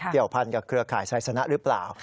เกี่ยวพันกับเครือข่ายไซสนะหรือเปล่า